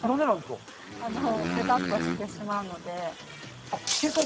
ベタっとしてしまうので。